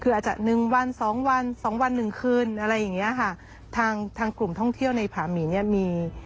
คืออาจจะหนึ่งวันสองวันสองวันหนึ่งคืนอะไรอย่างเงี้ยค่ะทางทางกลุ่มท่องเที่ยวในผาหมีเนี่ยมี